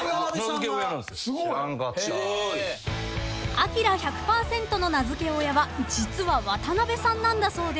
［アキラ１００％の名付け親は実は渡辺さんなんだそうで］